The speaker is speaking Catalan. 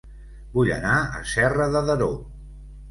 Vull anar a Serra de Daró